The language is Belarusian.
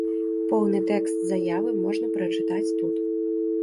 Поўны тэкст заявы можна прачытаць тут.